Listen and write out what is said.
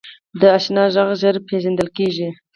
د اشنا غږ ژر پیژندل کېږي